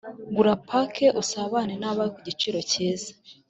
gura pake usabane nabawe ku giciro kiza